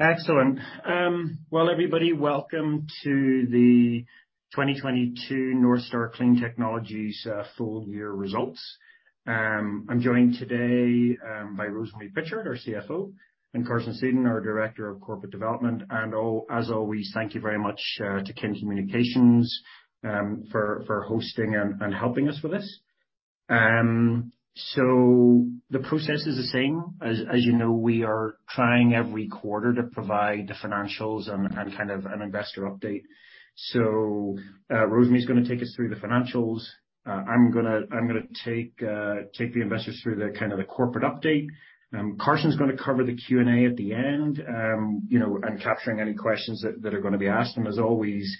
Excellent. Well, everybody, welcome to the 2022 Northstar Clean Technologies full year results. I'm joined today by Rosemary Pritchard, our CFO, and Carson Sedun, our Director of Corporate Development. As always, thank you very much to Kin Communications for hosting and helping us with this. The process is the same. As you know, we are trying every quarter to provide the financials and kind of an investor update. Rosemary is gonna take us through the financials. I'm gonna take the investors through the kind of the corporate update. Carson's gonna cover the Q&A at the end, you know, and capturing any questions that are gonna be asked. As always,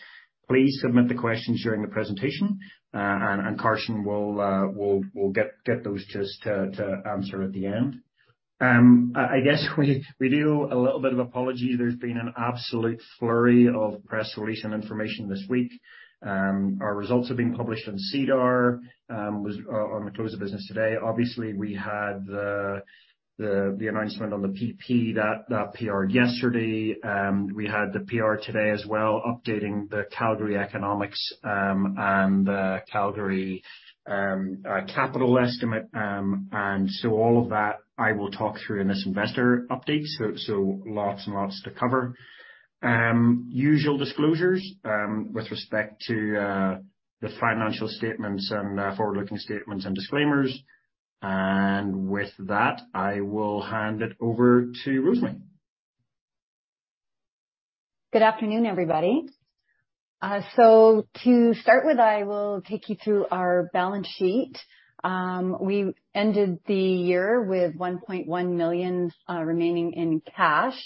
please submit the questions during the presentation. Carson will get those just to answer at the end. I guess we do a little bit of apology. There's been an absolute flurry of press release and information this week. Our results have been published on SEDAR, was on the close of business today. Obviously, we had the announcement on the PP, that PR yesterday. We had the PR today as well, updating the Calgary economics, and the Calgary capital estimate. All of that I will talk through in this investor update, so lots and lots to cover. Usual disclosures with respect to the financial statements and forward-looking statements and disclaimers. With that, I will hand it over to Rosemary. Good afternoon, everybody. To start with, I will take you through our balance sheet. We ended the year with 1.1 million remaining in cash.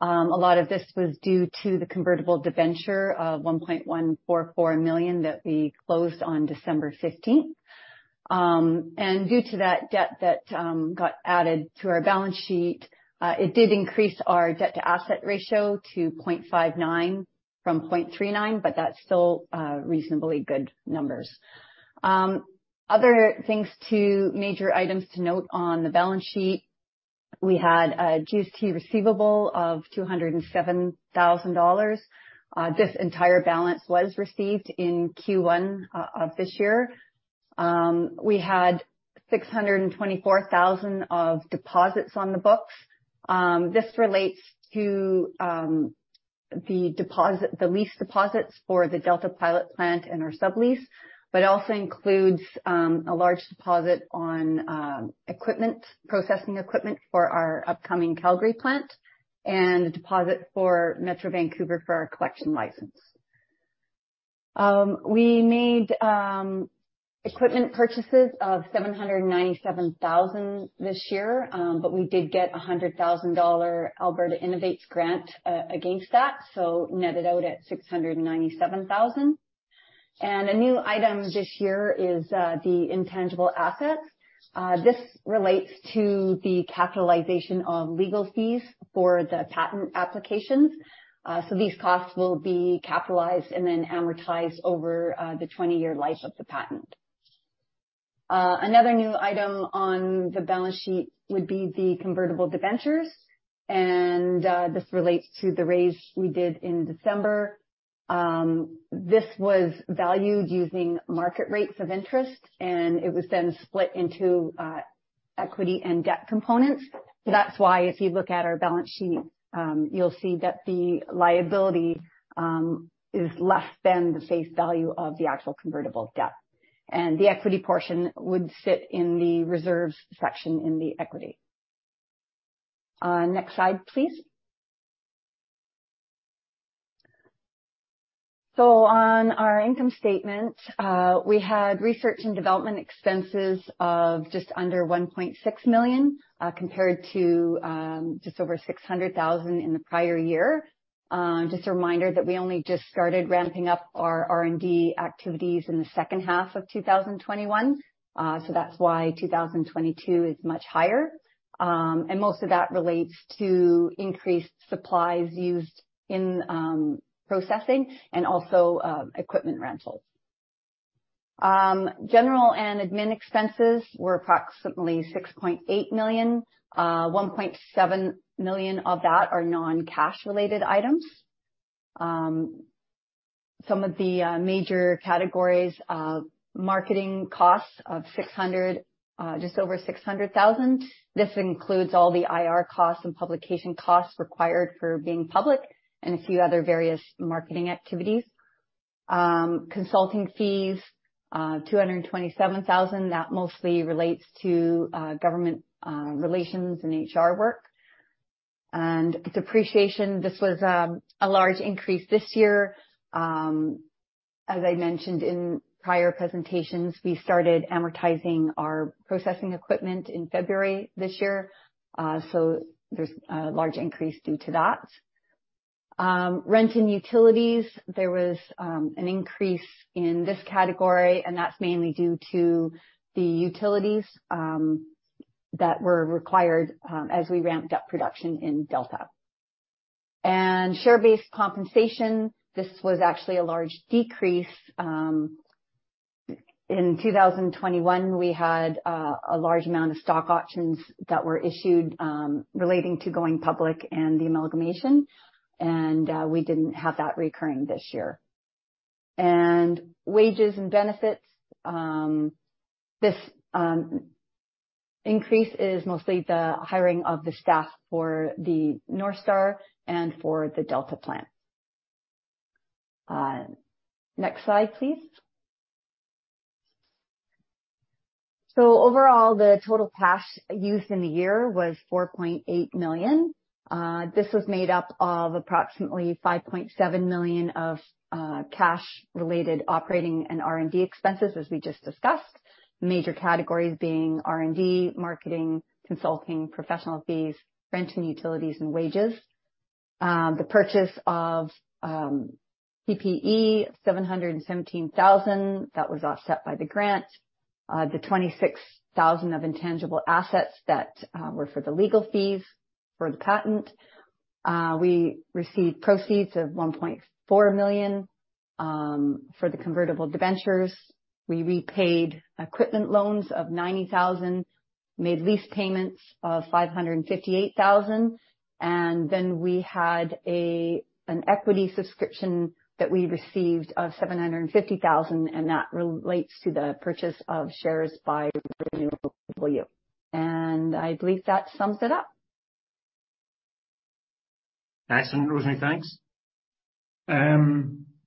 A lot of this was due to the convertible debenture of 1.144 million that we closed on December 15th. Due to that debt that got added to our balance sheet, it did increase our debt-to-asset ratio to 0.59 from 0.39, but that's still reasonably good numbers. Other major items to note on the balance sheet, we had a GST receivable of 207,000 dollars. This entire balance was received in Q1 of this year. We had 624,000 of deposits on the books. This relates to the deposit, the lease deposits for the Delta pilot plant and our sublease, also includes a large deposit on equipment, processing equipment for our upcoming Calgary plant and a deposit for Metro Vancouver for our collection license. We made equipment purchases of 797,000 this year, we did get a 100,000 dollar Alberta Innovates grant against that, netted out at 697,000. A new item this year is the intangible assets. This relates to the capitalization of legal fees for the patent applications. These costs will be capitalized and then amortized over the 20-year life of the patent. Another new item on the balance sheet would be the convertible debentures, this relates to the raise we did in December. This was valued using market rates of interest. It was then split into equity and debt components. That's why if you look at our balance sheet, you'll see that the liability is less than the face value of the actual convertible debt. The equity portion would sit in the reserves section in the equity. Next slide, please. On our income statement, we had research and development expenses of just under 1.6 million compared to just over 600,000 in the prior year. Just a reminder that we only just started ramping up our R&D activities in the second half of 2021. That's why 2022 is much higher. Most of that relates to increased supplies used in processing and also equipment rentals. G&A expenses were approximately 6.8 million. 1.7 million of that are non-cash related items. Some of the major categories are marketing costs of just over 600,000. This includes all the IR costs and publication costs required for being public and a few other various marketing activities. Consulting fees, 227,000. That mostly relates to government relations and HR work. Depreciation, this was a large increase this year. As I mentioned in prior presentations, we started amortizing our processing equipment in February this year, so there's a large increase due to that. Rent and utilities, there was an increase in this category, and that's mainly due to the utilities that were required as we ramped up production in Delta. Share-based compensation, this was actually a large decrease. In 2021, we had a large amount of stock options that were issued relating to going public and the amalgamation. We didn't have that reoccurring this year. Wages and benefits, this increase is mostly the hiring of the staff for the Northstar and for the Delta plant. Next slide, please. Overall, the total cash used in the year was 4.8 million. This was made up of approximately 5.7 million of cash related operating and R&D expenses, as we just discussed. Major categories being R&D, marketing, consulting, professional fees, rent and utilities and wages. The purchase of PPE, 717,000, that was offset by the grant. The 26,000 of intangible assets that were for the legal fees for the patent. We received proceeds of 1.4 million for the convertible debentures. We repaid equipment loans of 90,000, made lease payments of 558,000, and then we had an equity subscription that we received of 750,000, and that relates to the purchase of shares by Renewable U. I believe that sums it up. Excellent, Rosemary. Thanks.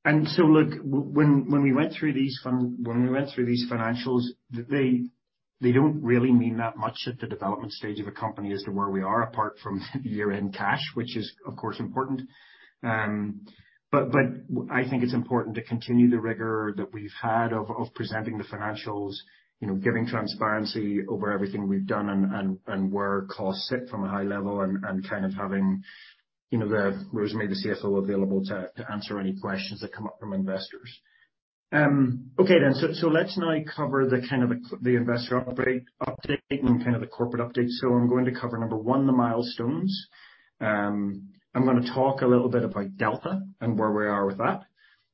Look, when we went through these financials, they don't really mean that much at the development stage of a company as to where we are, apart from year-end cash, which is of course important. I think it's important to continue the rigor that we've had of presenting the financials, you know, giving transparency over everything we've done and where costs sit from a high level and kind of having, you know, Rosemary, the CFO, available to answer any questions that come up from investors. Okay. Let's now cover the kind of the investor update and kind of the corporate update. I'm going to cover number one, the milestones. I'm gonna talk a little bit about Delta and where we are with that.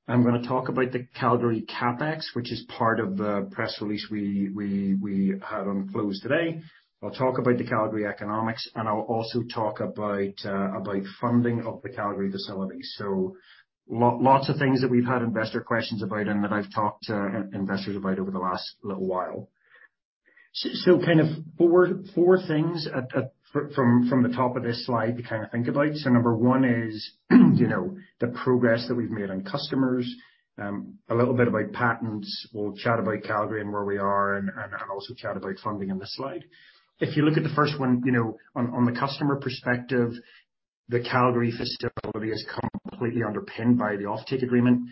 I'm gonna talk about the Calgary CapEx, which is part of the press release we had on close today. I'll talk about the Calgary economics, and I'll also talk about funding of the Calgary facility. Lots of things that we've had investor questions about and that I've talked to investors about over the last little while. Kind of four things from the top of this slide to kind of think about. Number one is, you know, the progress that we've made on customers, a little bit about patents. We'll chat about Calgary and where we are and also chat about funding in this slide. If you look at the first one, you know, on the customer perspective, the Calgary facility is completely underpinned by the offtake agreement.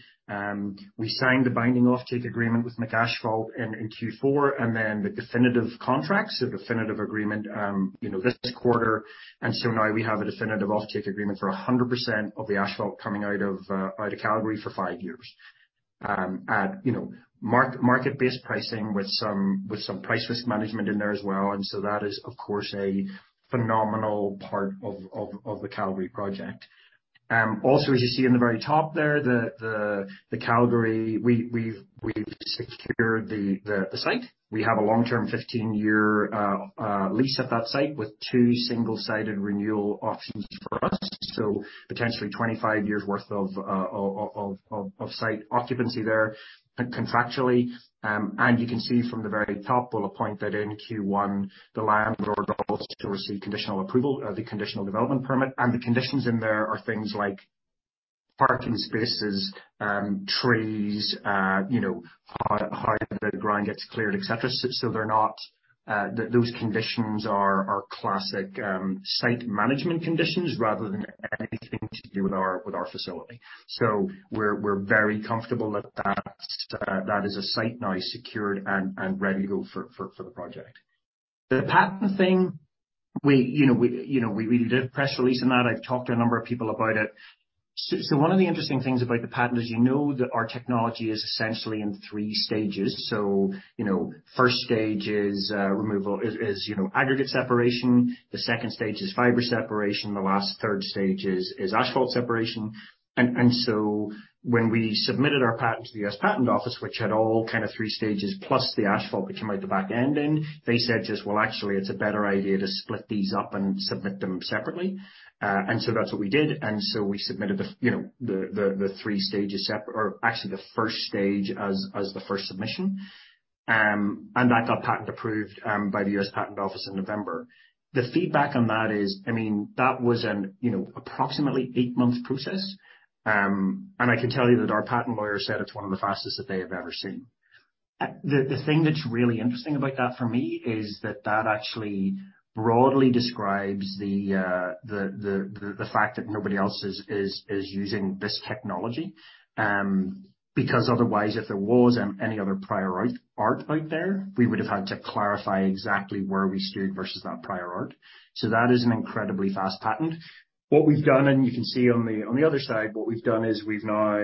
We signed the binding offtake agreement with McAsphalt in Q4, then the definitive contracts, the definitive agreement, you know, this quarter. Now we have a definitive offtake agreement for 100% of the asphalt coming out of Calgary for five years. At, you know, mark market-based pricing with some, with some price risk management in there as well, that is, of course, a phenomenal part of the Calgary project. Also, as you see in the very top there, the Calgary, we've secured the site. We have a long-term 15-year lease at that site with two single-sided renewal options for us. Potentially 25 years worth of site occupancy there contractually. You can see from the very top, we'll appoint that in Q1, the landlord ought to receive conditional approval, the conditional development permit. The conditions in there are things like parking spaces, trees, you know, the ground gets cleared, et cetera. They're not those conditions are classic site management conditions rather than anything to do with our facility. We're very comfortable that that's that is a site now secured and ready to go for the project. The patent thing you know, we did a press release on that. I've talked to a number of people about it. One of the interesting things about the patent is you know that our technology is essentially in three stages. You know, first stage is removal is, you know, aggregate separation, the second stage is fiber separation, the last third stage is asphalt separation. When we submitted our patent to the U.S. Patent Office, which had all kind of three stages plus the asphalt which came out the back end in, they said just, "Well, actually it's a better idea to split these up and submit them separately." That's what we did. We submitted the, you know, the three stages or actually the first stage as the first submission. That got patent approved by the U.S. Patent Office in November. The feedback on that is, I mean, that was an, you know, approximately eight-month process. I can tell you that our patent lawyer said it's one of the fastest that they have ever seen. The thing that's really interesting about that for me is that that actually broadly describes the fact that nobody else is using this technology. Otherwise if there was any other prior art out there, we would have had to clarify exactly where we stood versus that prior art. That is an incredibly fast patent. What we've done, and you can see on the, on the other side, what we've done is we've now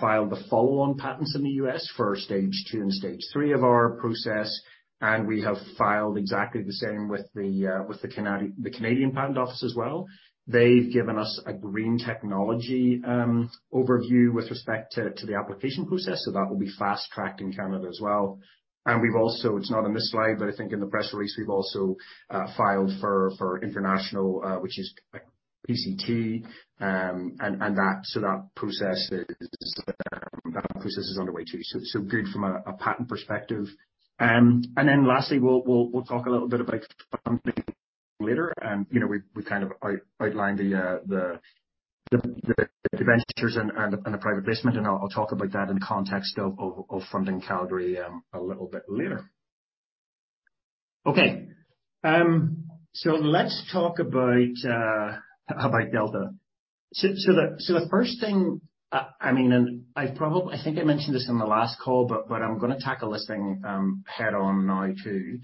filed the follow-on patents in the U.S. for stage two and stage three of our process, and we have filed exactly the same with the Canadian patent office as well. They've given us a green technology overview with respect to the application process that will be fast-tracked in Canada as well. We've also, it's not on this slide, but I think in the press release, we've also filed for international, which is PCT. That process is underway too. Good from a patent perspective. Then lastly, we'll talk a little bit about something later. You know, we've kind of outlined the ventures and the private placement, and I'll talk about that in the context of funding Calgary a little bit later. Okay. Let's talk about Delta. The first thing, I mean, and I think I mentioned this on the last call, but what I'm gonna tackle this thing head on now too.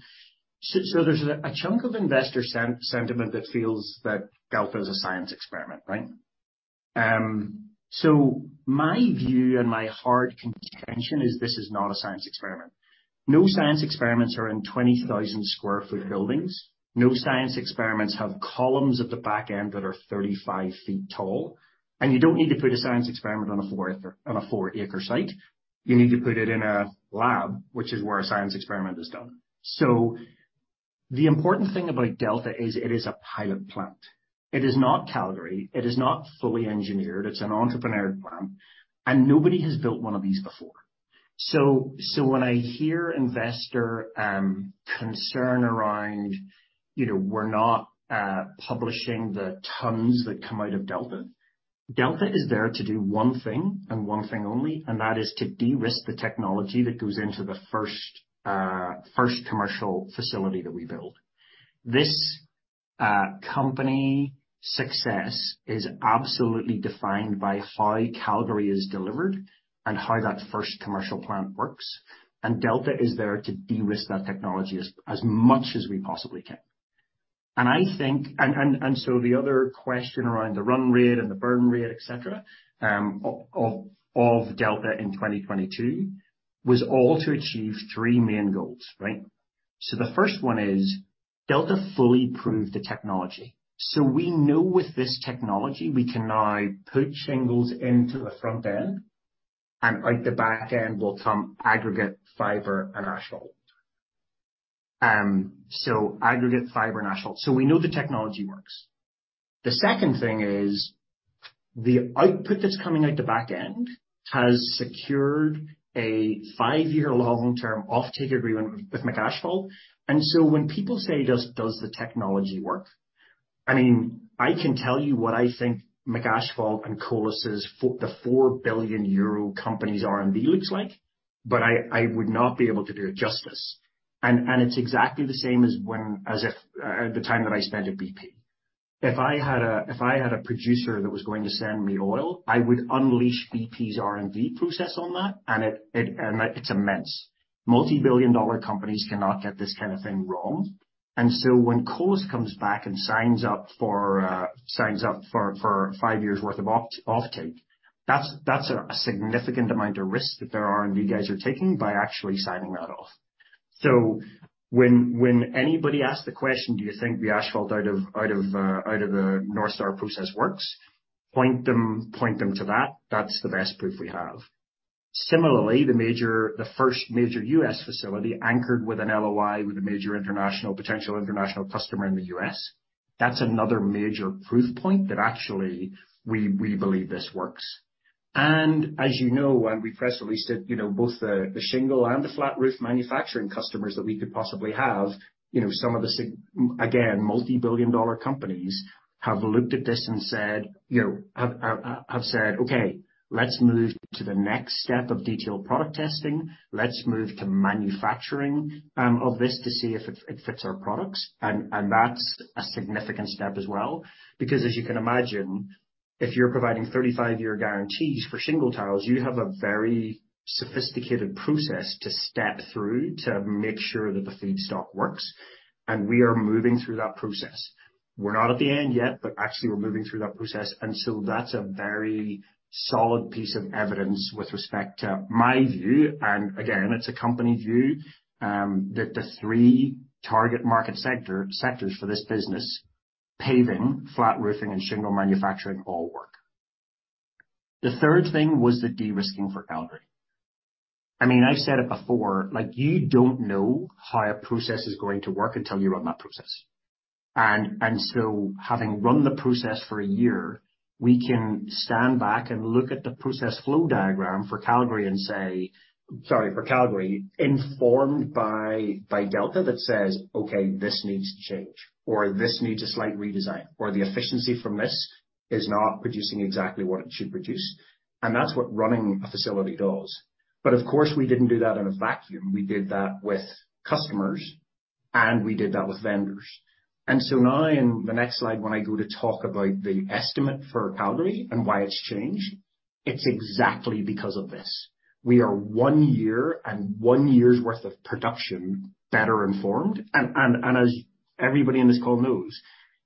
There's a chunk of investor sentiment that feels that Delta is a science experiment, right? My view and my hard contention is this is not a science experiment. No science experiments are in 20,000 square foot buildings. No science experiments have columns at the back end that are 35 feet tall. You don't need to put a science experiment on a four acre, on a four-acre site. You need to put it in a lab, which is where a science experiment is done. The important thing about Delta is it is a pilot plant. It is not Calgary, it is not fully engineered. It's an entrepreneurial plan. Nobody has built one of these before. When I hear investor concern around, you know, we're not publishing the tons that come out of Delta. Delta is there to do one thing and one thing only, and that is to de-risk the technology that goes into the first commercial facility that we build. This company success is absolutely defined by how Calgary is delivered and how that first commercial plant works. Delta is there to de-risk that technology as much as we possibly can. The other question around the run rate and the burn rate, etc, of Delta in 2022 was all to achieve three main goals, right? The first one is Delta fully proved the technology. We know with this technology, we can now put shingles into the front end, and out the back end will come aggregate fiber and asphalt. Aggregate fiber and asphalt. We know the technology works. The second thing is the output that's coming out the back end has secured a five-year long-term offtake agreement with McAsphalt. When people say, "Does the technology work?" I mean, I can tell you what I think McAsphalt and Colas's the 4 billion euro company's R&D looks like, but I would not be able to do it justice. It's exactly the same as if the time that I spent at BP. If I had a producer that was going to send me oil, I would unleash BP's R&D process on that, and it's immense. Multi-billion-dollar companies cannot get this kind of thing wrong. When Colas comes back and signs up for five years worth of offtake, that's a significant amount of risk that their R&D guys are taking by actually signing that off. When anybody asks the question, "Do you think the asphalt out of the Northstar process works?" Point them to that. That's the best proof we have. Similarly, the first major U.S. facility anchored with an LOI with a major international, potential international customer in the U.S., that's another major proof point that actually we believe this works. As you know, when we press released it, you know, both the shingle and the flat roof manufacturing customers that we could possibly have, you know, some of the again, multi-billion dollar companies have looked at this and said, you know, have said, "Okay, let's move to the next step of detailed product testing. Let's move to manufacturing of this to see if it fits our products. That's a significant step as well. Because as you can imagine, if you're providing 35 year guarantees for shingle tiles, you have a very sophisticated process to step through to make sure that the feedstock works. We are moving through that process. We're not at the end yet, but actually we're moving through that process. That's a very solid piece of evidence with respect to my view. Again, it's a company view that the three target market sectors for this business: paving, flat roofing, and shingle manufacturing all work. The third thing was the de-risking for Calgary. I mean, I've said it before, like, you don't know how a process is going to work until you run that process. Having run the process for one year, we can stand back and look at the process flow diagram for Calgary and say, sorry, for Calgary, informed by Delta that says, "Okay, this needs to change, or this needs a slight redesign, or the efficiency from this is not producing exactly what it should produce." That's what running a facility does. Of course, we didn't do that in a vacuum. We did that with customers, and we did that with vendors. Now in the next slide, when I go to talk about the estimate for Calgary and why it's changed. It's exactly because of this. We are one year and one year's worth of production better informed. As everybody in this call knows,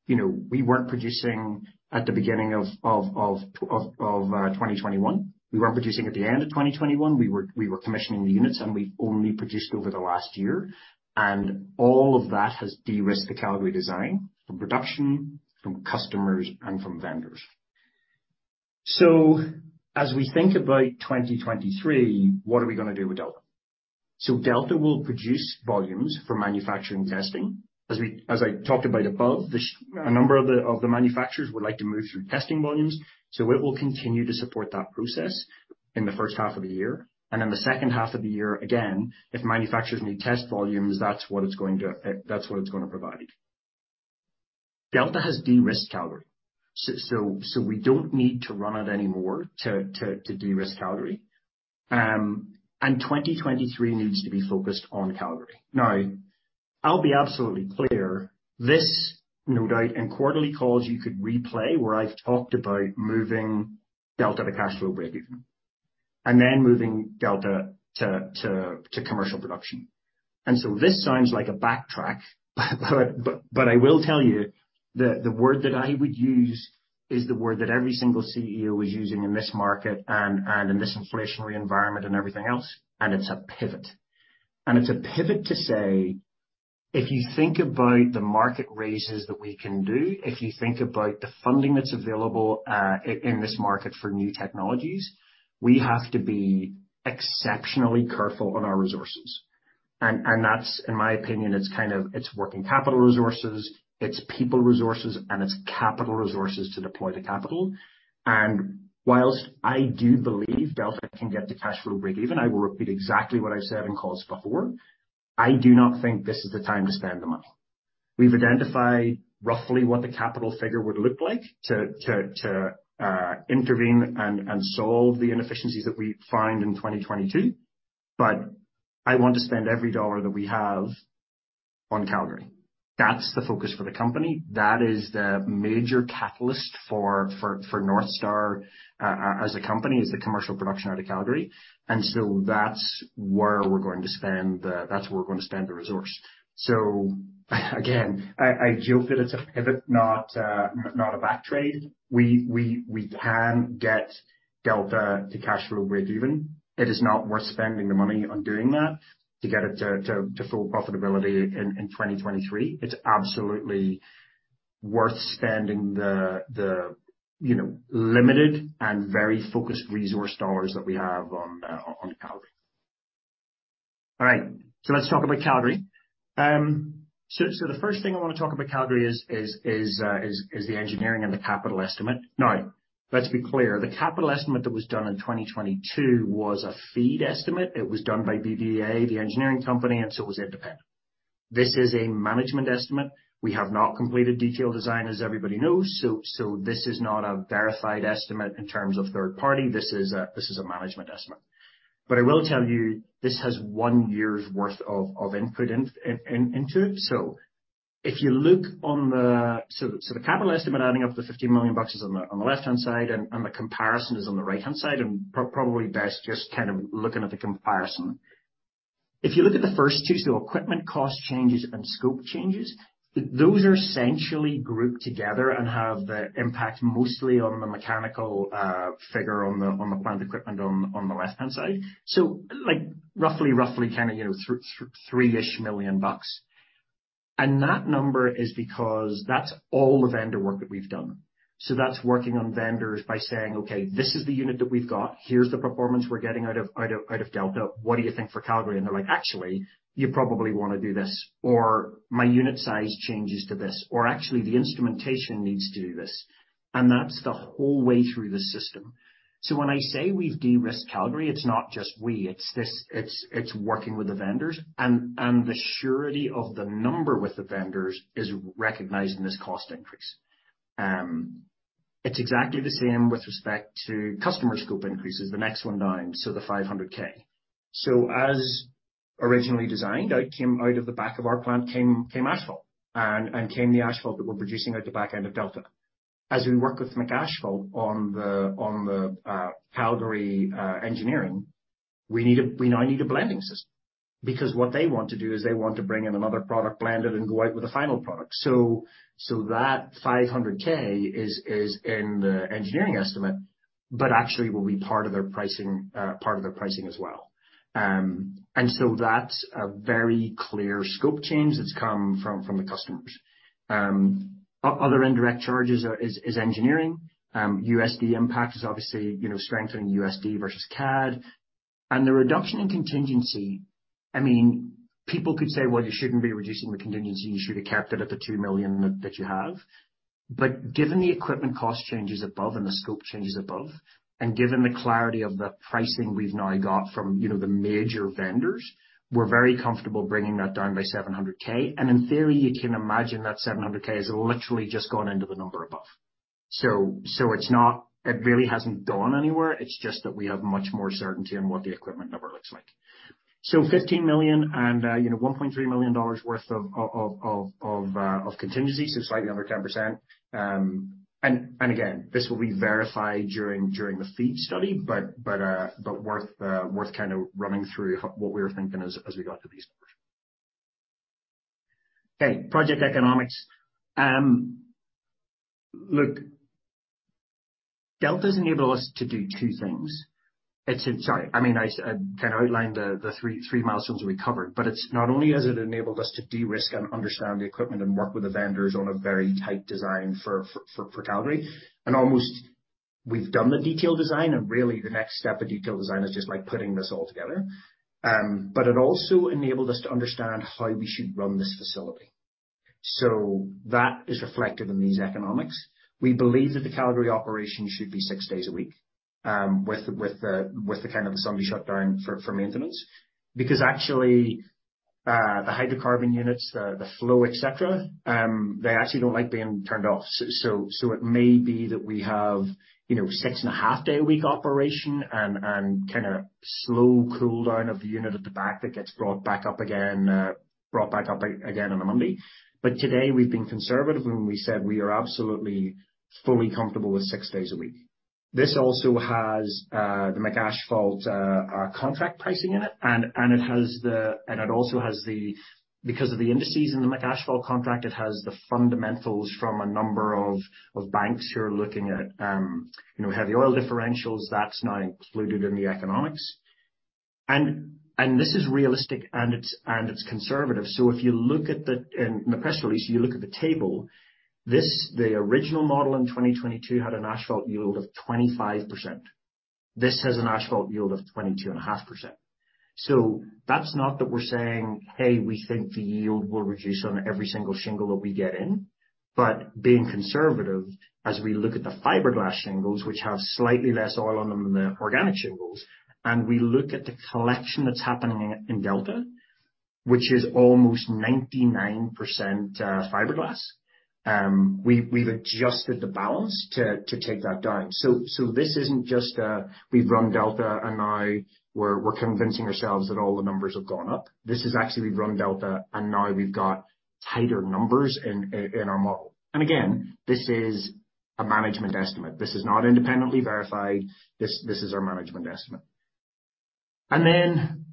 you know, we weren't producing at the beginning of 2021. We weren't producing at the end of 2021. We were commissioning the units, we've only produced over the last year. All of that has de-risked the Calgary design from production, from customers, and from vendors. As we think about 2023, what are we gonna do with Delta? Delta will produce volumes for manufacturing testing. As I talked about above, a number of the manufacturers would like to move through testing volumes, it will continue to support that process in the first half of the year. In the second half of the year, again, if manufacturers need test volumes, that's what it's going to, that's what it's gonna provide. Delta has de-risked Calgary. We don't need to run it anymore to de-risk Calgary. 2023 needs to be focused on Calgary. Now, I'll be absolutely clear. This, no doubt, in quarterly calls you could replay where I've talked about moving Delta to cash flow breakeven and then moving Delta to commercial production. This sounds like a backtrack, but I will tell you that the word that I would use is the word that every single CEO was using in this market and in this inflationary environment and everything else, it's a pivot. It's a pivot to say, if you think about the market raises that we can do, if you think about the funding that's available in this market for new technologies, we have to be exceptionally careful on our resources. That's, in my opinion, it's kind of... it's working capital resources, it's people resources, and it's capital resources to deploy the capital. Whilst I do believe Delta can get to cash flow breakeven, I will repeat exactly what I've said in calls before, I do not think this is the time to spend the money. We've identified roughly what the capital figure would look like to intervene and solve the inefficiencies that we find in 2022. I want to spend every dollar that we have on Calgary. That's the focus for the company. That is the major catalyst for Northstar as a company, is the commercial production out of Calgary. That's where we're going to spend the resource. So again, I joke that it's a pivot, not a back trade. We can get Delta to cash flow breakeven. It is not worth spending the money on doing that to get it to full profitability in 2023. It's absolutely worth spending the, you know, limited and very focused resource dollars that we have on Calgary. All right. Let's talk about Calgary. So the first thing I wanna talk about Calgary is the engineering and the capital estimate. Now, let's be clear, the capital estimate that was done in 2022 was a FEED estimate. It was done by BBA, the engineering company, and so it was independent. This is a management estimate. We have not completed detailed design, as everybody knows. This is not a verified estimate in terms of third party. This is a management estimate. I will tell you, this has one year's worth of input into it. If you look on the... The capital estimate adding up to 50 million bucks is on the left-hand side, and the comparison is on the right-hand side. Probably best just kind of looking at the comparison. If you look at the first two, so equipment cost changes and scope changes, those are essentially grouped together and have the impact mostly on the mechanical figure on the plant equipment on the left-hand side. Like, roughly kinda, you know, three-ish million CAD. That number is because that's all the vendor work that we've done. That's working on vendors by saying, "Okay, this is the unit that we've got. Here's the performance we're getting out of Delta. What do you think for Calgary? They're like, "Actually, you probably wanna do this," or, "My unit size changes to this," or, "Actually, the instrumentation needs to do this." That's the whole way through the system. When I say we've de-risked Calgary, it's not just we, it's this, it's working with the vendors. The surety of the number with the vendors is recognized in this cost increase. It's exactly the same with respect to customer scope increases, the next one down, so the 500K. As originally designed, out of the back of our plant came asphalt and came the asphalt that we're producing at the back end of Delta. As we work with McAsphalt on the Calgary engineering, we now need a blending system, because what they want to do is they want to bring in another product, blend it, and go out with a final product. That 500K is in the engineering estimate, but actually will be part of their pricing, part of their pricing as well. That's a very clear scope change that's come from the customers. Other indirect charges are engineering. USD impact is obviously, you know, strengthening USD versus CAD. The reduction in contingency, I mean, people could say, "Well, you shouldn't be reducing the contingency. You should have kept it at the 2 million that you have. Given the equipment cost changes above and the scope changes above, and given the clarity of the pricing we've now got from, you know, the major vendors, we're very comfortable bringing that down by 700K. In theory, you can imagine that 700K has literally just gone into the number above. It's not. It really hasn't gone anywhere. It's just that we have much more certainty on what the equipment number looks like. 15 million and, you know, 1.3 million dollars worth of contingencies. Slightly under 10%. Again, this will be verified during the FEED study, but worth kind of running through what we were thinking as we got to these numbers. Okay, project economics. Look, Delta has enabled us to do two things. Sorry. I mean, I kind of outlined the three milestones we covered, but it's not only has it enabled us to de-risk and understand the equipment and work with the vendors on a very tight design for Calgary, and almost we've done the detailed design, and really the next step of detailed design is just like putting this all together. It also enabled us to understand how we should run this facility. That is reflected in these economics. We believe that the Calgary operation should be six days a week, with the kind of a Sunday shutdown for maintenance. Actually, the hydrocarbon units, the flow, et cetera, they actually don't like being turned off. It may be that we have, you know, six and a half day a week operation and kinda slow cool down of the unit at the back that gets brought back up again, brought back up again on a Monday. Today, we've been conservative when we said we are absolutely fully comfortable with six days a week. This also has, the McAsphalt, contract pricing in it. It has the... It also has the... Because of the indices in the McAsphalt contract, it has the fundamentals from a number of banks who are looking at, you know, heavy oil differentials that's not included in the economics. This is realistic and it's conservative. If you look at the press release, you look at the table, the original model in 2022 had an asphalt yield of 25%. This has an asphalt yield of 22.5%. That's not that we're saying, "Hey, we think the yield will reduce on every single shingle that we get in." Being conservative, as we look at the fiberglass shingles, which have slightly less oil on them than the organic shingles, and we look at the collection that's happening in Delta, which is almost 99% fiberglass, we've adjusted the balance to take that down. This isn't just, we've run Delta and now we're convincing ourselves that all the numbers have gone up. This is actually we've run Delta, and now we've got tighter numbers in our model. Again, this is a management estimate. This is not independently verified. This is our management estimate. Then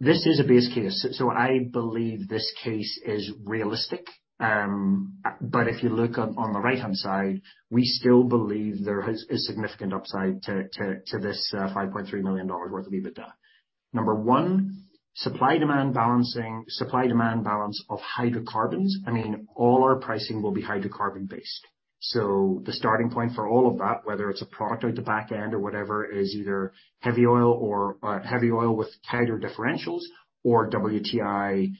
this is a base case. I believe this case is realistic, but if you look on the right-hand side, we still believe there is significant upside to this $5.3 million worth of EBITDA. Number one, supply-demand balancing, supply-demand balance of hydrocarbons. I mean, all our pricing will be hydrocarbon based. The starting point for all of that, whether it's a product or at the back end or whatever, is either heavy oil or heavy oil with tighter differentials or WTI,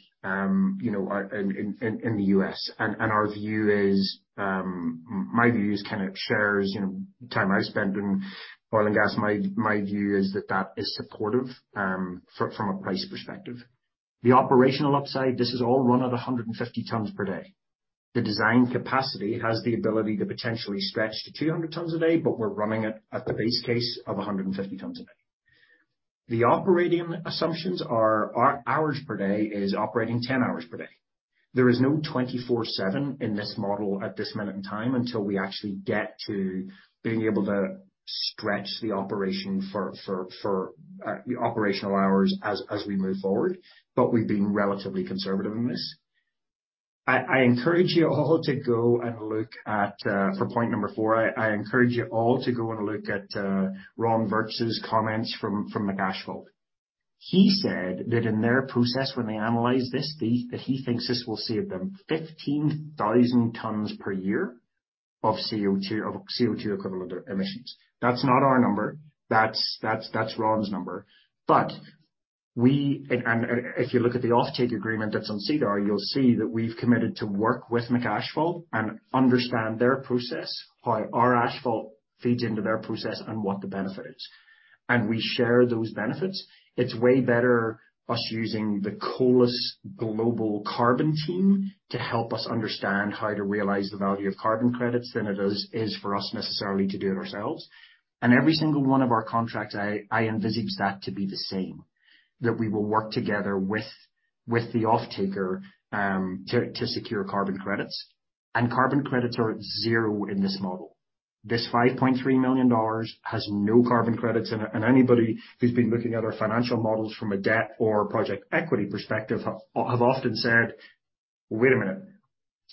you know, in the U.S. Our view is, my view is kinda it shares, you know, time I've spent in oil and gas, my view is that that is supportive from a price perspective. The operational upside, this is all run at 150 tons per day. The design capacity has the ability to potentially stretch to 200 tons a day, but we're running it at the base case of 150 tons a day. The operating assumptions are our hours per day is operating 10 hours per day. There is no 24/7 in this model at this minute in time until we actually get to being able to stretch the operation for the operational hours as we move forward, but we've been relatively conservative in this. I encourage you all to go and look at for point number four, I encourage you all to go and look at Ron Vertes' comments from McAsphalt. He said that in their process, when they analyze this fee, that he thinks this will save them 15,000 tons per year of CO2 equivalent emissions. That's not our number. That's Ron's number. If you look at the offtake agreement that's on SEDAR, you'll see that we've committed to work with McAsphalt and understand their process, how our asphalt feeds into their process, and what the benefit is. We share those benefits. It's way better us using the Colas global carbon team to help us understand how to realize the value of carbon credits than it is for us necessarily to do it ourselves. Every single one of our contracts I envisage that to be the same, that we will work together with the offtaker to secure carbon credits. Carbon credits are at zero in this model. This 5.3 million dollars has no carbon credits in it. Anybody who's been looking at our financial models from a debt or project equity perspective has often said, "Wait a minute.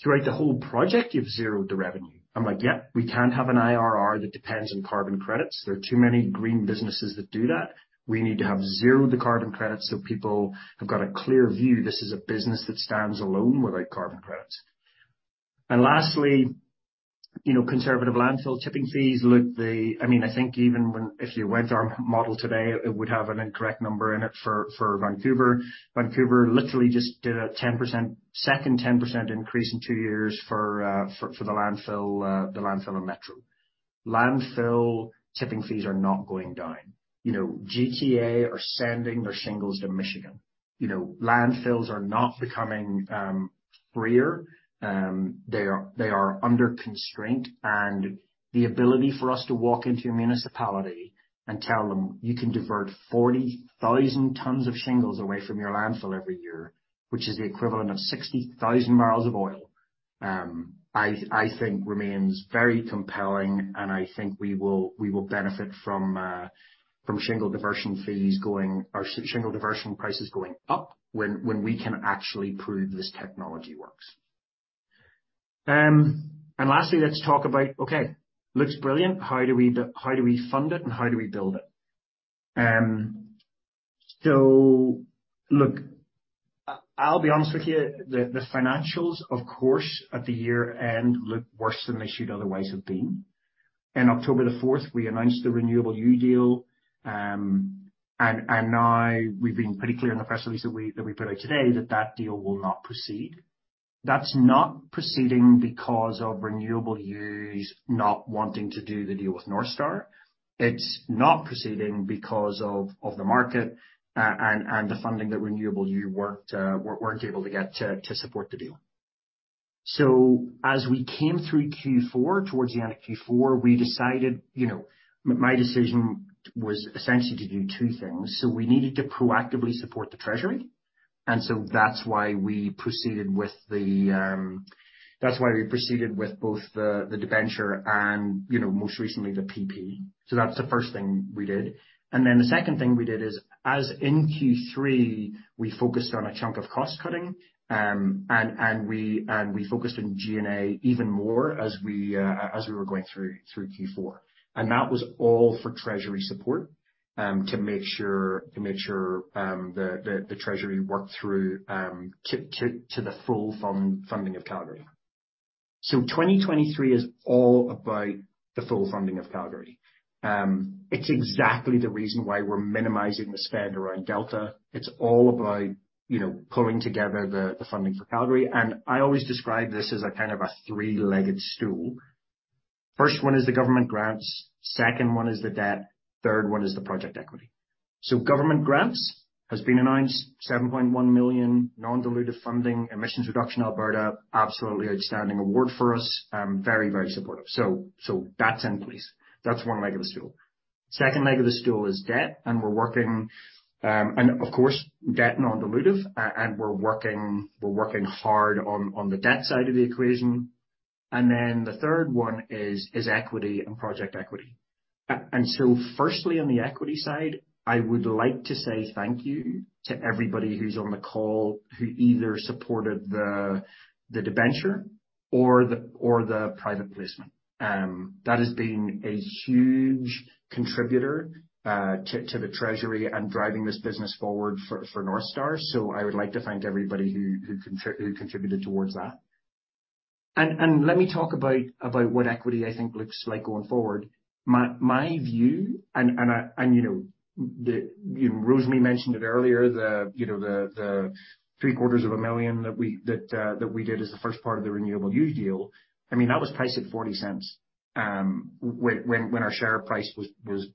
Throughout the whole project, you've zeroed the revenue." I'm like, "Yeah, we can't have an IRR that depends on carbon credits. There are too many green businesses that do that. We need to have zero the carbon credits so people have got a clear view this is a business that stands alone without carbon credits." Lastly, you know, conservative landfill tipping fees. Look, I mean, I think even if you went to our model today, it would have an incorrect number in it for Vancouver. Vancouver literally just did a 10%, second 10% increase in two years for the landfill, the landfill in Metro. Landfill tipping fees are not going down. You know, GTA are sending their shingles to Michigan. You know, landfills are not becoming freer. They are under constraint and the ability for us to walk into your municipality and tell them you can divert 40,000 tons of shingles away from your landfill every year, which is the equivalent of 60,000 barrels of oil, I think remains very compelling and I think we will benefit from shingle diversion fees going or shingle diversion prices going up when we can actually prove this technology works. Lastly, let's talk about, okay, looks brilliant. How do we fund it, and how do we build it? Look, I'll be honest with you. The financials, of course, at the year-end, look worse than they should otherwise have been. In October 4, we announced the Renewable U deal. Now we've been pretty clear in the press release that we put out today that that deal will not proceed. That's not proceeding because of Renewable U's not wanting to do the deal with Northstar. It's not proceeding because of the market and the funding that Renewable U weren't able to get to support the deal. As we came through Q4, towards the end of Q4, we decided, you know. My decision was essentially to do two things. We needed to proactively support the treasury, and so that's why we proceeded with the, that's why we proceeded with both the debenture and, you know, most recently the PP. That's the first thing we did. The second thing we did is, as in Q3, we focused on a chunk of cost-cutting, and we focused on G&A even more as we were going through Q4. That was all for treasury support, to make sure the treasury worked through to the full funding of Calgary. 2023 is all about the full funding of Calgary. It's exactly the reason why we're minimizing the spend around Delta. It's all about, you know, pulling together the funding for Calgary. I always describe this as a kind of a three-legged stool. First one is the government grants, second one is the debt, third one is the project equity. Government grants has been announced 7.1 million non-dilutive funding, Emissions Reduction Alberta, absolutely outstanding award for us, very supportive. That's in place. That's one leg of the stool. Second leg of the stool is debt, and we're working, and of course, debt non-dilutive, we're working hard on the debt side of the equation. The third one is equity and project equity. Firstly, on the equity side, I would like to say thank you to everybody who's on the call who either supported the debenture or the private placement. That has been a huge contributor to the treasury and driving this business forward for Northstar. I would like to thank everybody who contributed towards that. Let me talk about what equity I think looks like going forward. My view and I, you know, Rosemary mentioned it earlier, you know, the 750,000 that we did as the first part of the Renewable U deal. I mean, that was priced at 0.40 when our share price was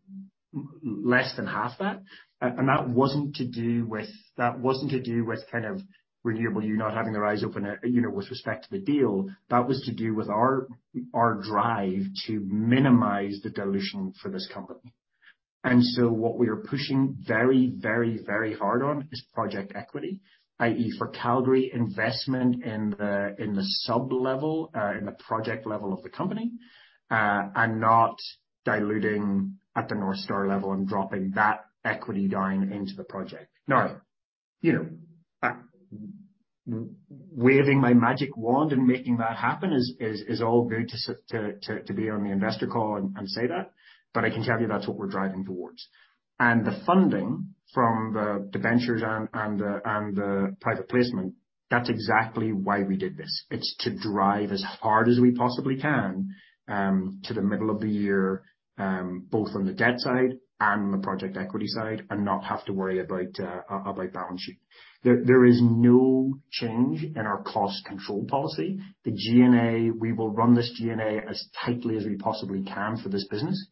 less than half that. That wasn't to do with kind of Renewable U not having their eyes open, you know, with respect to the deal. That was to do with our drive to minimize the dilution for this company. What we are pushing very hard on is project equity, i.e. for Calgary investment in the sub-level, in the project level of the company, and not diluting at the Northstar level and dropping that equity down into the project. Now, you know, waving my magic wand and making that happen is all good to be on the investor call and say that, but I can tell you that's what we're driving towards. The funding from the debentures and the private placement, that's exactly why we did this. It's to drive as hard as we possibly can to the middle of the year, both on the debt side and the project equity side and not have to worry about balance sheet. There is no change in our cost control policy. The G&A, we will run this G&A as tightly as we possibly can for this business.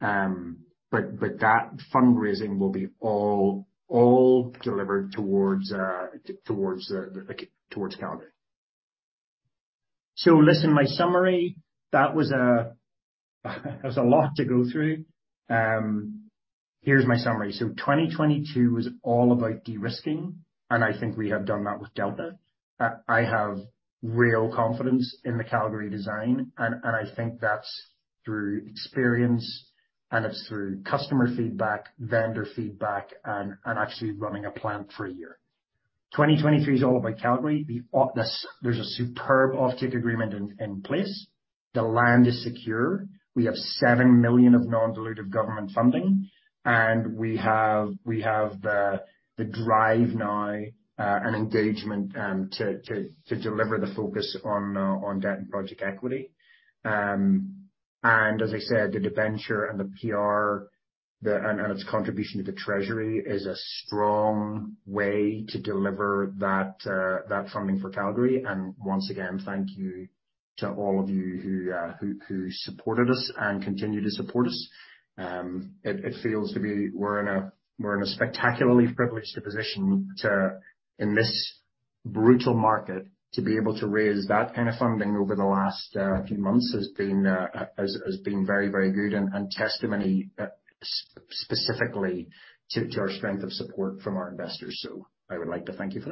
That fundraising will be delivered towards Calgary. Listen, my summary, that was a lot to go through. Here's my summary. 2022 was all about de-risking, and I think we have done that with Delta. I have real confidence in the Calgary design and I think that's through experience and it's through customer feedback, vendor feedback, and actually running a plant for a year. 2023 is all about Calgary. There's a superb offtake agreement in place. The land is secure. We have 7 million of non-dilutive government funding, we have the drive now and engagement to deliver the focus on debt and project equity. As I said, the debenture and the PR, and its contribution to the treasury is a strong way to deliver that funding for Calgary. Once again, thank you to all of you who supported us and continue to support us. It feels to be we're in a spectacularly privileged position to, in this brutal market, to be able to raise that kind of funding over the last few months has been very, very good and testimony specifically to our strength of support from our investors. I would like to thank you for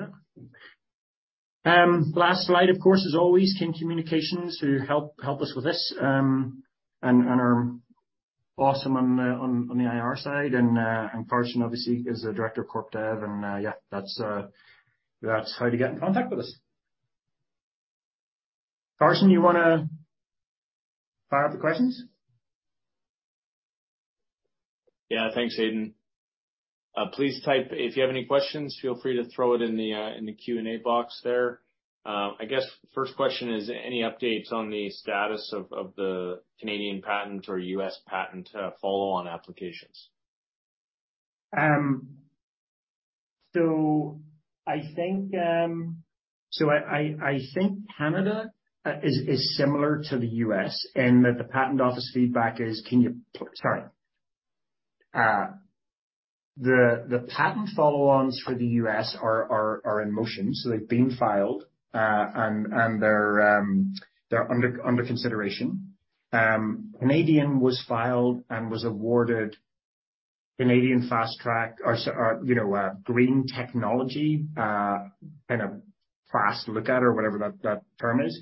that. Last slide, of course, as always, Kin Communications, who help us with this, and are awesome on the IR side. Carson obviously is the Director of Corp Dev, yeah, that's how to get in contact with us. Carson, you wanna fire up the questions? Yeah. Thanks, Aidan. Please type. If you have any questions, feel free to throw it in the Q&A box there. I guess first question is, any updates on the status of the Canadian patent or U.S. patent, follow-on applications? I think Canada is similar to the U.S. in that the patent office feedback is the patent follow-ons for the U.S. are in motion, so they've been filed, and they're under consideration. Canadian was filed and was awarded Canadian fast track or green technology and a fast look at or whatever that term is.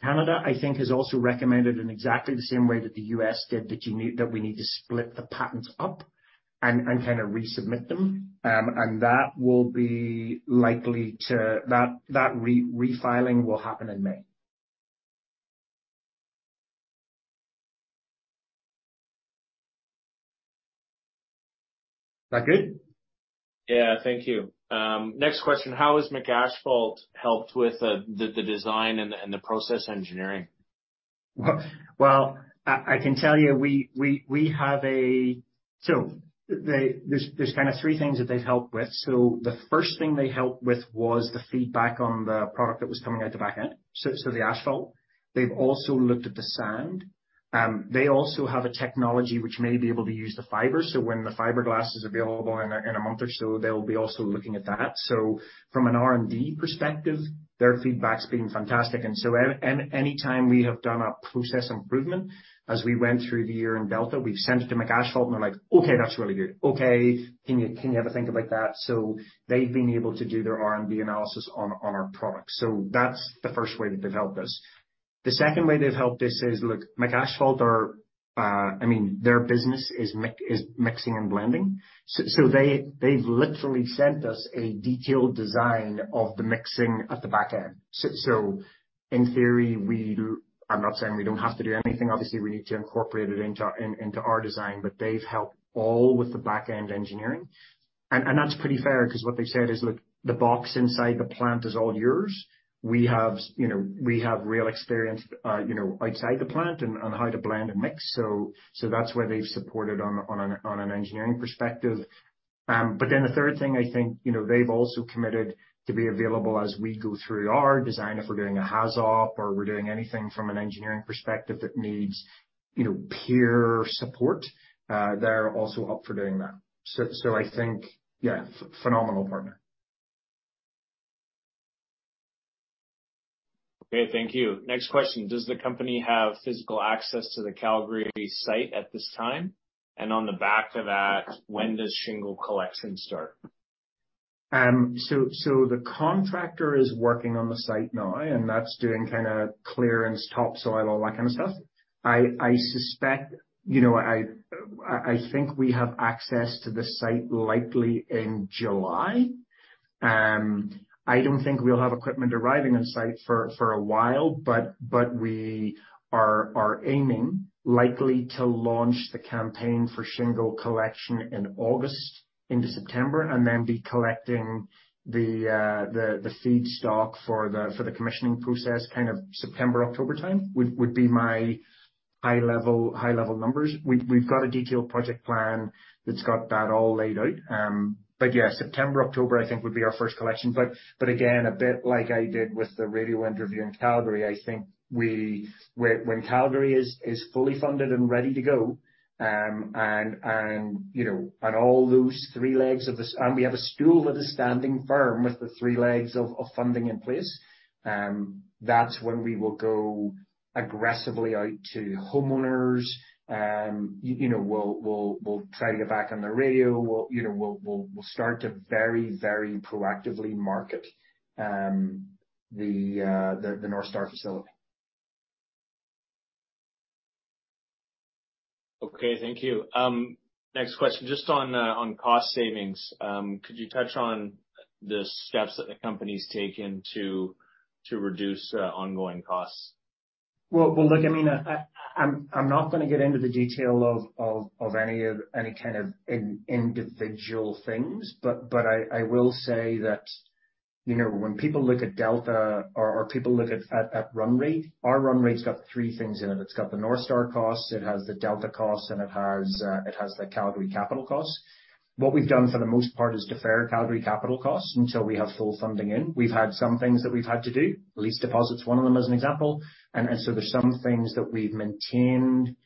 Canada, I think has also recommended in exactly the same way that the U.S. did, that we need to split the patents up and kind of resubmit them. That refiling will happen in May. Is that good? Yeah. Thank you. Next question. How has McAsphalt helped with the design and the process engineering? Well, I can tell you, we have a. There's kinda three things that they've helped with. The first thing they helped with was the feedback on the product that was coming out the back end, so the asphalt. They've also looked at the sand. They also have a technology which may be able to use the fiber. When the fiberglass is available in a month or so, they'll be also looking at that. From an R&D perspective, their feedback's been fantastic. Anytime we have done a process improvement, as we went through the year in Delta, we've sent it to McAsphalt, and they're like, "Okay, that's really good. Okay, can you have a think about that?" They've been able to do their R&D analysis on our products. That's the first way that they've helped us. The second way they've helped us is, look, McAsphalt are, I mean, their business is mixing and blending. They've literally sent us a detailed design of the mixing at the back end. In theory, I'm not saying we don't have to do anything. Obviously, we need to incorporate it into our design. They've helped all with the back-end engineering. That's pretty fair because what they've said is, "Look, the box inside the plant is all yours. We have, you know, we have real experience, you know, outside the plant and how to blend and mix." That's where they've supported on an engineering perspective. The third thing I think, you know, they've also committed to be available as we go through our design. If we're doing a HAZOP or we're doing anything from an engineering perspective that needs, you know, peer support, they're also up for doing that. I think, yeah, phenomenal partner. Okay. Thank you. Next question. Does the company have physical access to the Calgary site at this time? On the back of that, when does shingle collection start? The contractor is working on the site now, and that's doing kind of clearance, topsoil, all that kind of stuff. I suspect, you know, I think we have access to the site likely in July. I don't think we'll have equipment arriving on site for a while, but we are aiming likely to launch the campaign for shingle collection in August into September and then be collecting the feedstock for the commissioning process kind of September, October time, would be my high level numbers. We've got a detailed project plan that's got that all laid out. Yeah, September, October I think would be our first collection. Again, a bit like I did with the radio interview in Calgary, I think when Calgary is fully funded and ready to go, and, you know, and all those three legs of this and we have a stool that is standing firm with the three legs of funding in place, that's when we will go aggressively out to homeowners. You know, we'll try to get back on the radio. We'll, you know, start to very proactively market the Northstar facility. Okay. Thank you. Next question. Just on cost savings, could you touch on the steps that the company's taken to reduce ongoing costs? Well, look, I mean, I'm not gonna get into the detail of any kind of individual things, but I will say that, you know, when people look at Delta or people look at run rate, our run rate's got three things in it. It's got the Northstar costs, it has the Delta costs, and it has the Calgary capital costs. What we've done for the most part is defer Calgary capital costs until we have full funding in. We've had some things that we've had to do. Lease deposit's one of them, as an example. There's some things that we've maintained.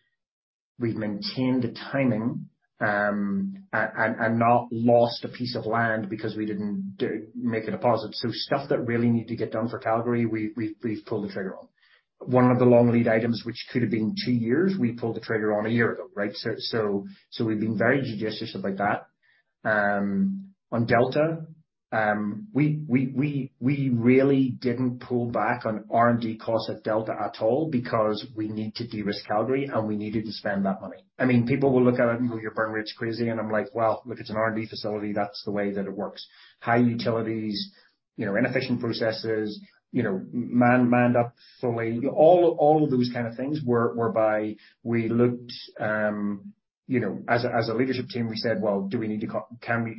We've maintained the timing, and not lost a piece of land because we didn't make a deposit. Stuff that really need to get done for Calgary, we've pulled the trigger on. One of the long lead items which could have been two years, we pulled the trigger on one year ago, right? We've been very judicious about that. On Delta, we really didn't pull back on R&D costs at Delta at all because we need to de-risk Calgary, and we needed to spend that money. I mean, people will look at it and go, "You're burn rate's crazy." And I'm like, "Well, if it's an R&D facility, that's the way that it works." High utilities, you know, inefficient processes, you know, manned up fully. All of those kind of things were by we looked, you know, as a leadership team, we said, "Well, do we need to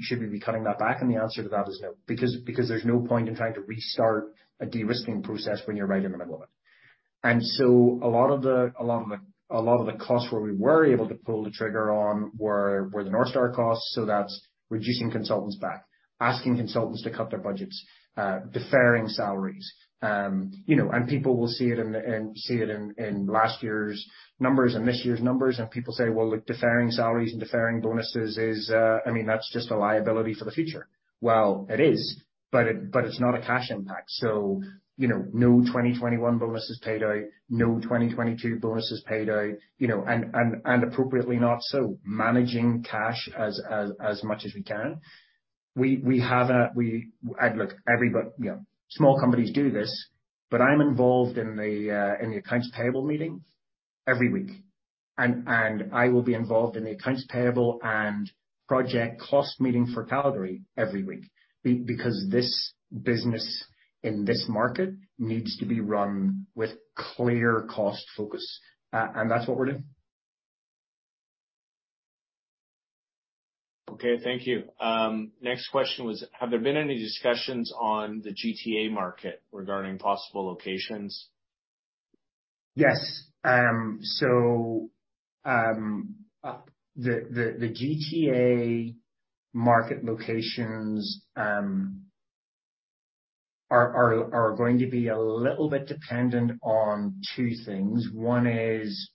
should we be cutting that back?" The answer to that is no. Because there's no point in trying to restart a de-risking process when you're right in the middle of it. A lot of the costs where we were able to pull the trigger on were the Northstar costs, so that's reducing consultants back, asking consultants to cut their budgets, deferring salaries. You know, people will see it in last year's numbers and this year's numbers, and people say, "Well, look, deferring salaries and deferring bonuses is, I mean, that's just a liability for the future." It is, but it's not a cash impact. You know, no 2021 bonuses paid out, no 2022 bonuses paid out, you know, and appropriately not, managing cash as much as we can. We have a look, everybody, you know, small companies do this, but I'm involved in the accounts payable meeting every week. I will be involved in the accounts payable and project cost meeting for Calgary every week. Because this business in this market needs to be run with clear cost focus. That's what we're doing. Thank you. Next question was, have there been any discussions on the GTA market regarding possible locations? Yes. The GTA market locations are going to be a little bit dependent on two things.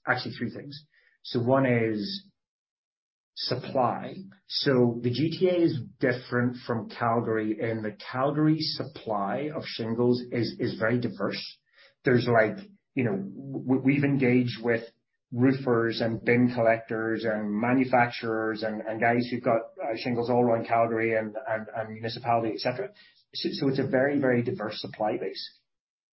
Actually three things. One is supply. The GTA is different from Calgary, and the Calgary supply of shingles is very diverse. There's like, you know, we've engaged with roofers and bin collectors and manufacturers and guys who've got shingles all around Calgary and municipality, et cetera. It's a very diverse supply base.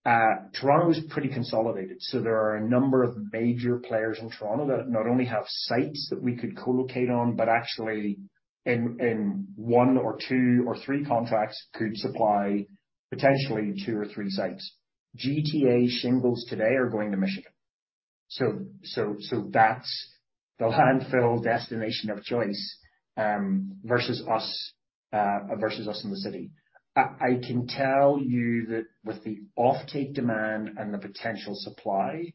Toronto is pretty consolidated, there are a number of major players in Toronto that not only have sites that we could co-locate on, but actually in one or two or three contracts could supply potentially two or three sites. GTA shingles today are going to Michigan. That's the landfill destination of choice, versus us, versus us in the city. I can tell you that with the offtake demand and the potential supply,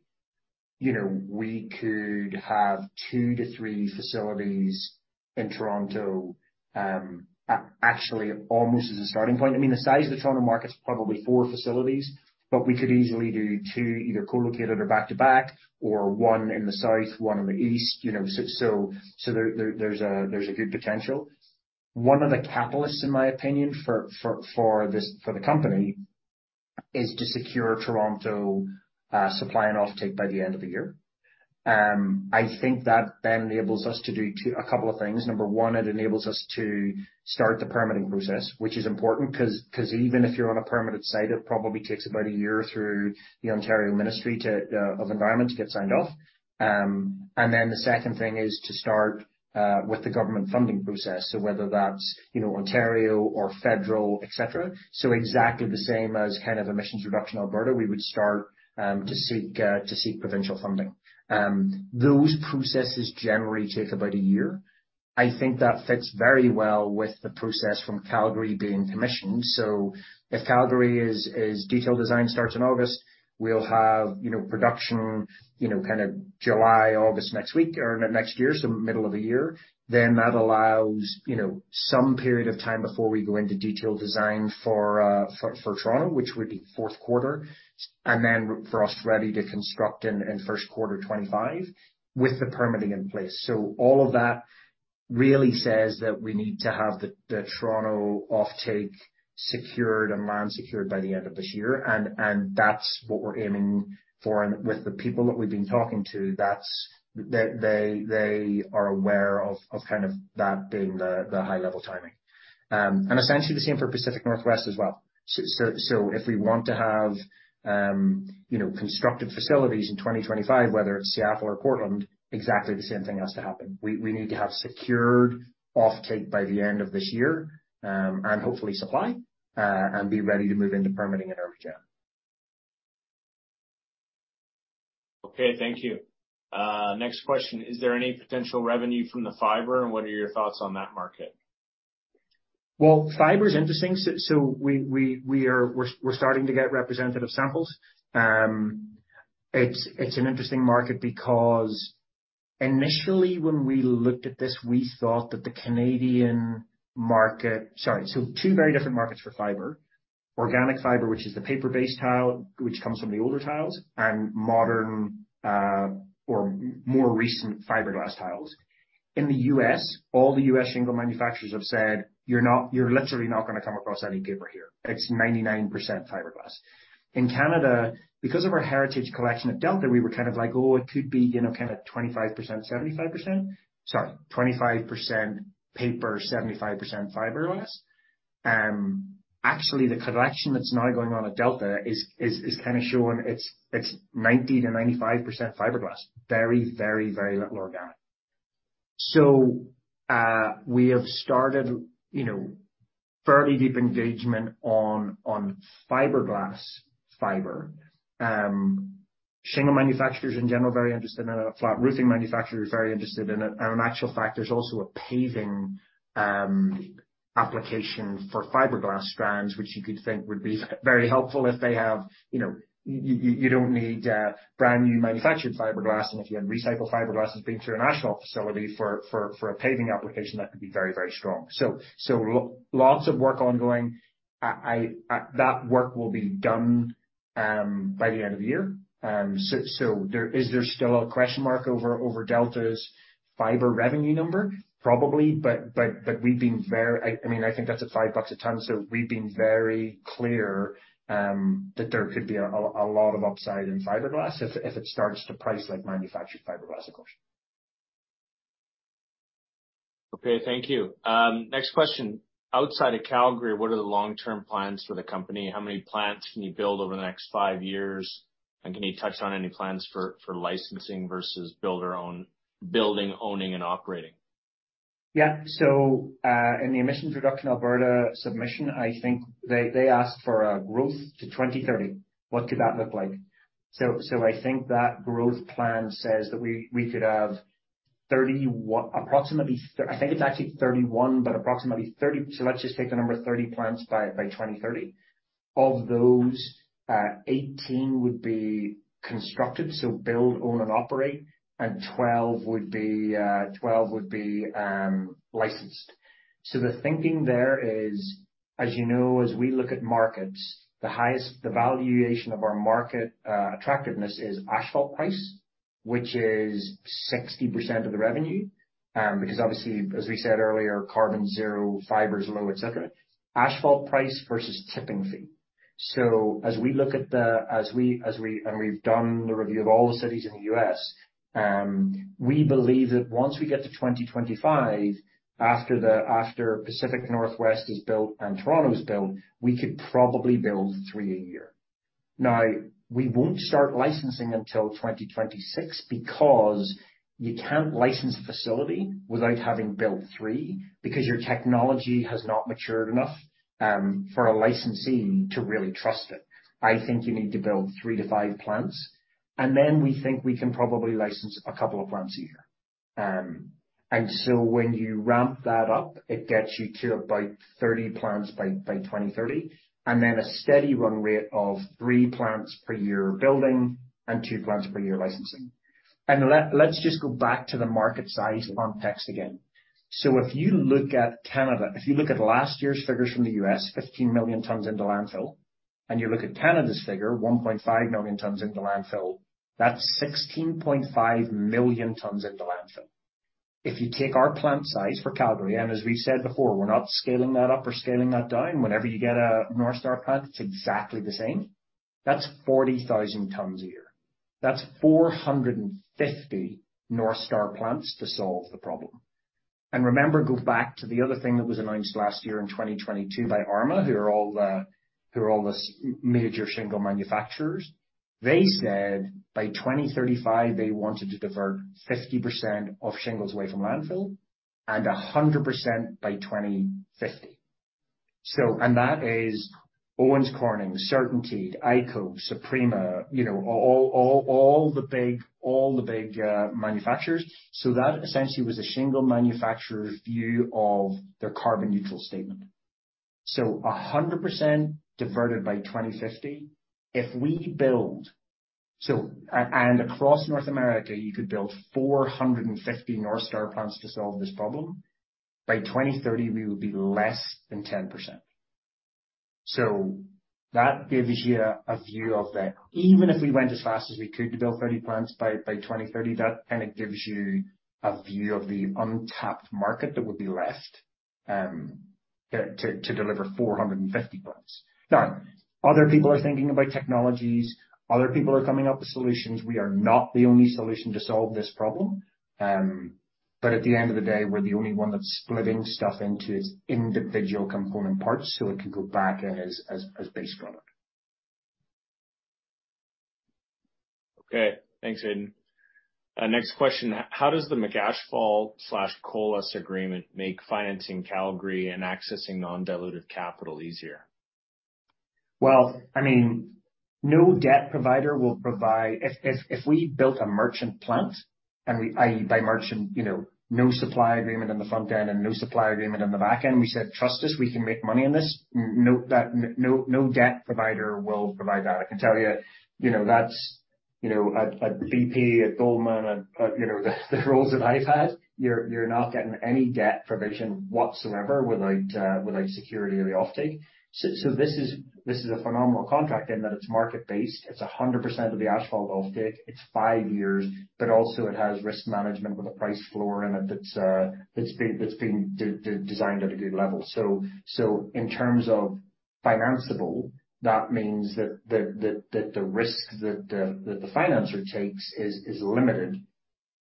you know, we could have two to three facilities in Toronto, actually almost as a starting point. The size of the Toronto market is probably four facilities, but we could easily do two, either co-located or back to back, or one in the south, one in the east, you know, there's a good potential. One of the catalysts, in my opinion, for this, for the company is to secure Toronto supply and offtake by the end of the year. I think that then enables us to do a couple of things. Number one, it enables us to start the permitting process, which is important 'cause even if you're on a permitted site, it probably takes about a year through the Ontario Ministry of Environment to get signed off. Then the second thing is to start with the government funding process. Whether that's, you know, Ontario or federal, et cetera. Exactly the same as kind of Emissions Reduction Alberta, we would start to seek provincial funding. Those processes generally take about a year. I think that fits very well with the process from Calgary being commissioned. If Calgary is detailed design starts in August, we'll have, you know, production, you know, kind of July, August next week or next year, so middle of the year. That allows, you know, some period of time before we go into detailed design for Toronto, which would be fourth quarter, and then for us ready to construct in first quarter 2025 with the permitting in place. All of that really says that we need to have the Toronto offtake secured and land secured by the end of this year, and that's what we're aiming for. With the people that we've been talking to, they are aware of kind of that being the high-level timing. Essentially the same for Pacific Northwest as well. If we want to have, you know, constructed facilities in 2025, whether it's Seattle or Portland, exactly the same thing has to happen. We need to have secured offtake by the end of this year, and hopefully supply, and be ready to move into permitting in early June. Okay, thank you. Next question: Is there any potential revenue from the fiber, and what are your thoughts on that market? Fiber is interesting. We are starting to get representative samples. It's an interesting market because initially when we looked at this, we thought that the Canadian market. Sorry. Two very different markets for fiber. Organic fiber, which is the paper-based tile, which comes from the older tiles and more recent fiberglass tiles. In the U.S., all the U.S. shingle manufacturers have said, "You're literally not going to come across any paper here. It's 99% fiberglass." In Canada, because of our heritage collection at Delta, we were kind of like, "Oh, it could be, you know, kind of 25%, 75%." Sorry, 25% paper, 75% fiberglass. Actually, the collection that's now going on at Delta is kind of showing it's 90%-95% fiberglass. Very little organic. We have started, you know, fairly deep engagement on fiberglass fiber. Shingle manufacturers in general are very interested in it. Flat roofing manufacturers are very interested in it. In actual fact, there's also a paving application for fiberglass strands, which you could think would be very helpful if they have, you know, you don't need brand-new manufactured fiberglass. If you had recycled fiberglass that's been through a national facility for a paving application, that could be very, very strong. Lots of work ongoing. I, that work will be done by the end of the year. Is there still a question mark over Delta's fiber revenue number? Probably. I mean, I think that's at 5 bucks a ton, so we've been very clear that there could be a lot of upside in fiberglass if it starts to price like manufactured fiberglass, of course. Okay, thank you. Next question. Outside of Calgary, what are the long-term plans for the company? How many plants can you build over the next five years? Can you touch on any plans for licensing versus building, owning, and operating? In the Emissions Reduction Alberta submission, I think they asked for a growth to 2030. What could that look like? I think that growth plan says that we could have I think it's actually 31, but approximately 30. Let's just take the number of 30 plants by 2030. Of those, 18 would be constructed, so build, own, and operate, and 12 would be licensed. The thinking there is, as you know, as we look at markets, the valuation of our market attractiveness is asphalt price, which is 60% of the revenue. Because obviously, as we said earlier, carbon's 0, fiber's low, et cetera. Asphalt price versus tipping fee. We've done the review of all the cities in the U.S., we believe that once we get to 2025, after Pacific Northwest is built and Toronto is built, we could probably build three a year. We won't start licensing until 2026 because you can't license a facility without having built three because your technology has not matured enough for a licensee to really trust it. I think you need to build three to five plants, and then we think we can probably license two plants a year. When you ramp that up, it gets you to about 30 plants by 2030, and then a steady run rate of three plants per year building and two plants per year licensing. Let's just go back to the market size context again. If you look at Canada, if you look at last year's figures from the U.S., 15 million tons into landfill, and you look at Canada's figure, 1.5 million tons into landfill, that's 16.5 million tons into landfill. If you take our plant size for Calgary, and as we said before, we're not scaling that up or scaling that down. Whenever you get a Northstar plant, it's exactly the same. That's 40,000 tons a year. That's 450 Northstar plants to solve the problem. Remember, go back to the other thing that was announced last year in 2022 by ARMA, who are all the major shingle manufacturers. They said by 2035, they wanted to divert 50% of shingles away from landfill and 100% by 2050. That is Owens Corning, CertainTeed, IKO, SOPREMA, you know, all the big manufacturers. That essentially was a shingle manufacturer's view of their carbon neutral statement. 100% diverted by 2050. Across North America, you could build 450 Northstar plants to solve this problem. By 2030, we will be less than 10%. That gives you a view of the even if we went as fast as we could to build 30 plants by 2030, that kind of gives you a view of the untapped market that would be left to deliver 450 plants. Other people are thinking about technologies. Other people are coming up with solutions. We are not the only solution to solve this problem. At the end of the day, we're the only one that's splitting stuff into its individual component parts, so it can go back as base product. Okay. Thanks, Aidan. Next question. How does the McAsphalt/Colas agreement make financing Calgary and accessing non-dilutive capital easier? Well, I mean, no debt provider will provide. If we built a merchant plant and we ideally by merchant, you know, no supply agreement on the front end and no supply agreement on the back end, we said, "Trust us, we can make money on this." No, no debt provider will provide that. I can tell you know, You know, at BP, at Daelim, at, you know, the roles that I've had, you're not getting any debt provision whatsoever without security of the offtake. This is a phenomenal contract in that it's market-based, it's 100% of the asphalt offtake, it's five years, but also it has risk management with a price floor in it that's been designed at a good level. In terms of financeable, that means that the risk that the financer takes is limited.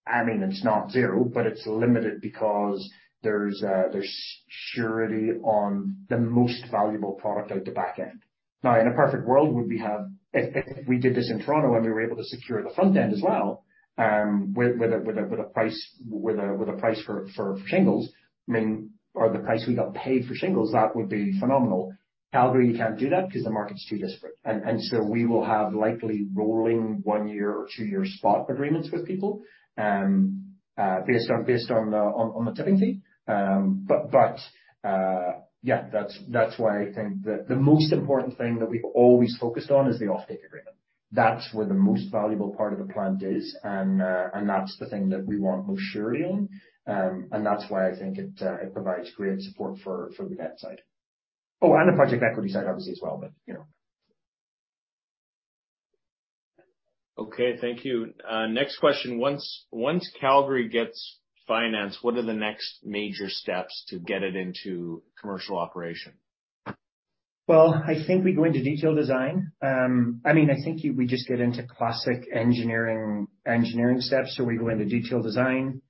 I mean, it's not zero, but it's limited because there's surety on the most valuable product out the back end. Now, in a perfect world. If we did this in Toronto and we were able to secure the front end as well, with a price for shingles, I mean, or the price we got paid for shingles, that would be phenomenal. Calgary can't do that because the market's too disparate. So we will have likely rolling one-year or two-year spot agreements with people, based on the tipping fee. Yeah, that's why I think the most important thing that we've always focused on is the offtake agreement. That's where the most valuable part of the plant is and that's the thing that we want most surety on. That's why I think it provides great support for the debt side. Oh, the project equity side obviously as well, but, you know. Okay, thank you. Next question. Once Calgary gets financed, what are the next major steps to get it into commercial operation? Well, I think we go into detail design. I mean, I think we just get into classic engineering steps. We go into detail design.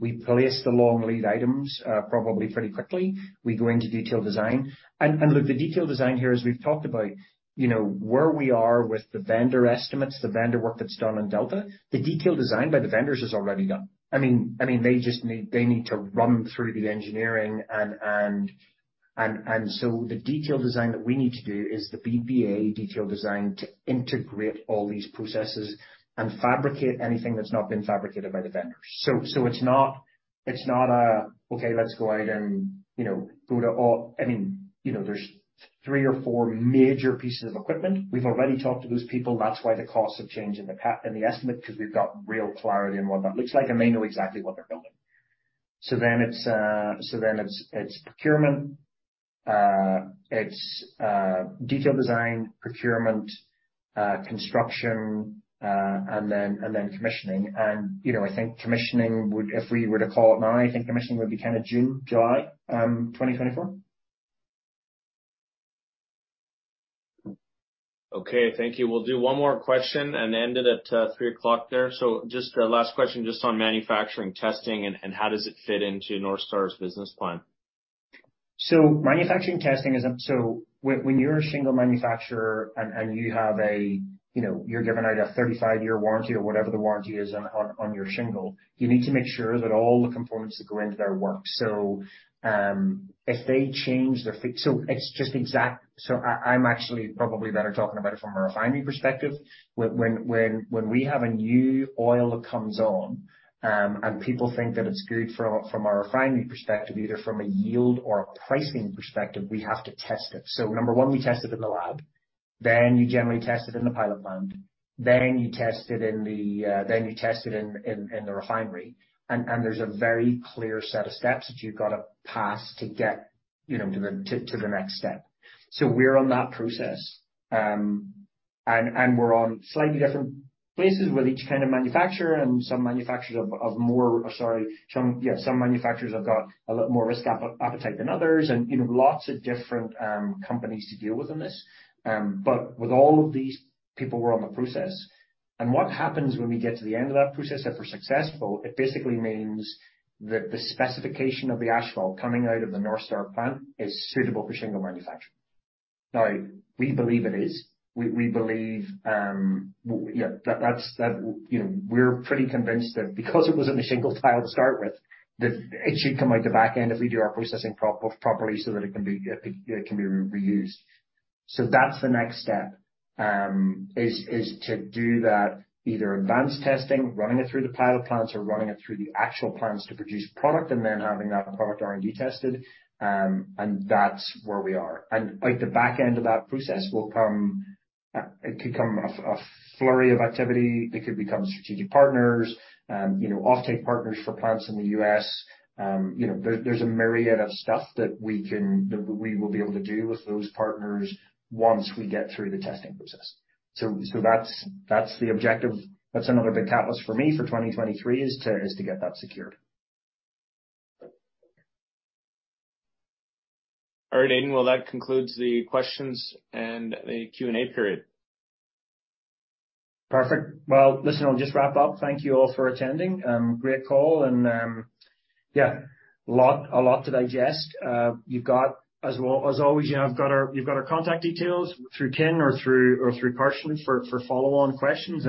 We place the long lead items, probably pretty quickly. We go into detail design. Look, the detail design here, as we've talked about, you know, where we are with the vendor estimates, the vendor work that's done on Delta, the detail design by the vendors is already done. I mean, they need to run through the engineering, the detail design that we need to do is the BPA detail design to integrate all these processes and fabricate anything that's not been fabricated by the vendors. It's not, it's not a, Okay, let's go out and, you know, go to all. I mean, you know, there's three or four major pieces of equipment. We've already talked to those people. That's why the costs have changed in the estimate, because we've got real clarity on what that looks like, and they know exactly what they're building. It's procurement, it's detail design, procurement, construction, and then commissioning. You know, I think commissioning would, if we were to call it now, I think commissioning would be kind of June, July, 2024. Okay, thank you. We'll do one more question and end it at 3:00 P.M. there. Just a last question just on manufacturing testing and how does it fit into Northstar's business plan? Manufacturing testing is. When you're a shingle manufacturer and you have, you know, you're giving out a 35-year warranty or whatever the warranty is on your shingle, you need to make sure that all the components that go into there work. If they change, I'm actually probably better talking about it from a refinery perspective. When we have a new oil that comes on and people think that it's good from a refinery perspective, either from a yield or a pricing perspective, we have to test it. Number one, we test it in the lab. You generally test it in the pilot plant. You test it in the, then you test it in the refinery. There's a very clear set of steps that you've gotta pass to get, you know, to the next step. We're on that process. And we're on slightly different places with each kind of manufacturer and some manufacturers have more... Sorry. Some, yeah, manufacturers have got a lot more risk appetite than others and, you know, lots of different companies to deal with in this. With all of these people, we're on the process. What happens when we get to the end of that process, if we're successful, it basically means that the specification of the asphalt coming out of the Northstar plant is suitable for shingle manufacturing. Now, we believe it is. We believe, yeah, that. You know, we're pretty convinced that because it was in a shingle tile to start with, that it should come out the back end if we do our processing properly so that it can be reused. That's the next step, is to do that either advanced testing, running it through the pilot plants, or running it through the actual plants to produce product and then having that product R&D tested. That's where we are. Out the back end of that process will come a flurry of activity. It could become strategic partners. You know, offtake partners for plants in the U.S. You know, there's a myriad of stuff that we can, that we will be able to do with those partners once we get through the testing process. That's the objective. That's another big catalyst for me for 2023, is to get that secured. All right, Aidan. Well, that concludes the questions and the Q&A period. Perfect. Well, listen, I'll just wrap up. Thank you all for attending. Great call and, yeah, a lot to digest. You've got as well, as always, you've got our contact details through Ken or through Parsons for follow on questions.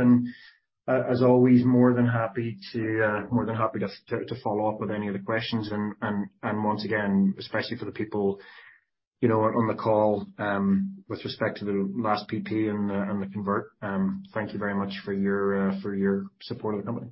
As always more than happy to follow up with any of the questions. Once again, especially for the people, you know, on the call, with respect to the last PP and the convert, thank you very much for your support of the company.